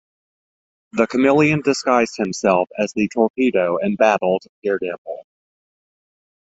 The Chameleon disguised himself as the Torpedo and battled Daredevil.